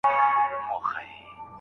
ستا د پرونۍ ورځې عادت بې هوښه شوی دی